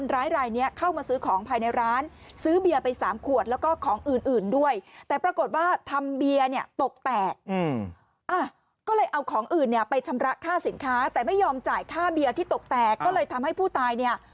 แต่ไม่ยอมจ่ายค่าเบียนที่ตกแตกก็เลยทำให้ผู้ตาย